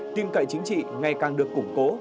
tim cậy chính trị ngày càng được củng cố